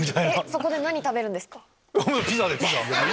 そこで何食べるんですか？